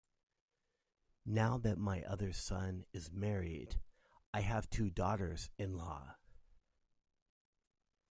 Now that my other son is married I have two daughters-in-law.